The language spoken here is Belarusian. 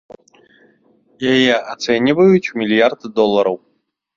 Яе ацэньваюць у мільярд долараў.